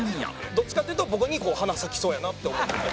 どっちかっていうと僕に花咲きそうやなって。